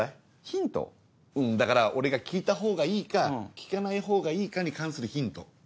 うんだから俺が聞いたほうがいいか聞かないほうがいいかに関するヒント。